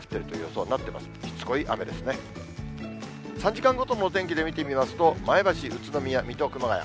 ３時間ごとのお天気で見てみますと、前橋、宇都宮、水戸、熊谷。